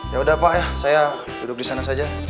ya udah pak ya saya duduk di sana saja